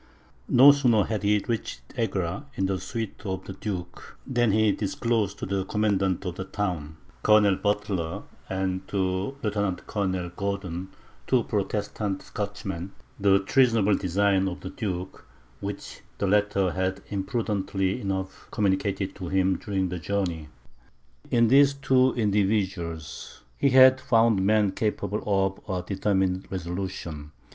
No sooner had he reached Egra, in the suite of the duke, than he disclosed to the commandant of the town, Colonel Buttler, and to Lieutenant Colonel Gordon, two Protestant Scotchmen, the treasonable designs of the duke, which the latter had imprudently enough communicated to him during the journey. In these two individuals, he had found men capable of a determined resolution.